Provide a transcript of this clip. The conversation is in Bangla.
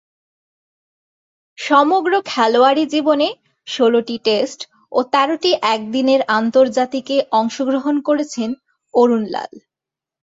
সমগ্র খেলোয়াড়ী জীবনে ষোলটি টেস্ট ও তেরোটি একদিনের আন্তর্জাতিকে অংশগ্রহণ করেছেন অরুণ লাল।